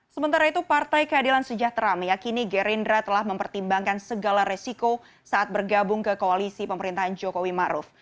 sementara itu partai keadilan sejahtera meyakini gerindra telah mempertimbangkan segala resiko saat bergabung ke koalisi pemerintahan jokowi ⁇ maruf ⁇